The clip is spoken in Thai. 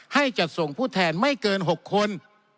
ให้จัดส่งผู้แทนไม่เกิน๖คน